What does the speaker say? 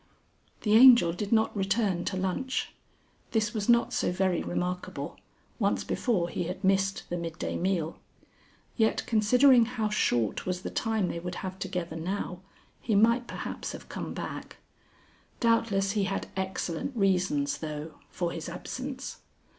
The Angel did not return to lunch. This was not so very remarkable once before he had missed the midday meal. Yet, considering how short was the time they would have together now, he might perhaps have come back. Doubtless he had excellent reasons, though, for his absence.